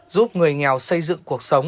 giúp người nghèo xây dựng cuộc sống